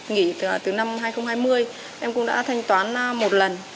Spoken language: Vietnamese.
nghỉ từ năm hai nghìn hai mươi em cũng đã thanh toán một lần